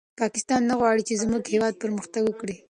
پاکستان نه غواړي چې زموږ هېواد پرمختګ وکړي.